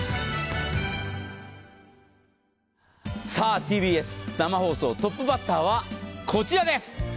ＴＢＳ生放送、トップバッターはこちらです。